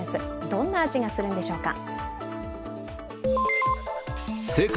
どんな味がするんでしょうか。